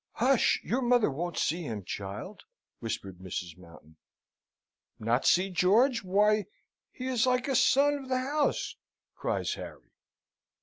"Hush! Your mother won't see him, child," whispered Mrs. Mountain. "Not see George? Why, he is like a son of the house," cries Harry.